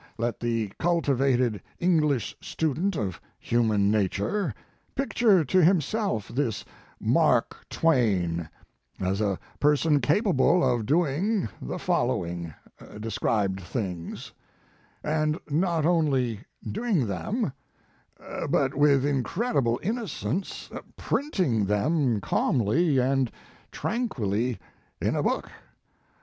Let the cultivated English student of human nature picture to himself this Mark Twain as a person capable of doing the following described things and not only doing them, but with incredible in nocence printing them calmly and tran quilly in a book.